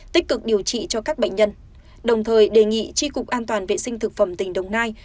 tích cực điều trị cho các bệnh nhân đồng thời đề nghị tri cục an toàn vệ sinh thực phẩm tỉnh đồng nai